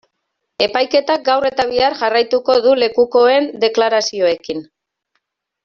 Epaiketak gaur eta bihar jarraituko du lekukoen deklarazioekin.